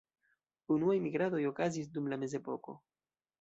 Unuaj migradoj okazis dum la Mezepoko.